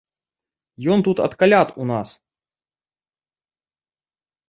Ён тут ад каляд у нас.